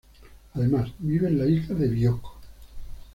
Además, vive en la isla de Bioko.